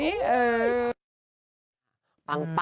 อาจรบมาซากละ